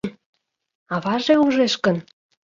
— Аваже ужеш гын?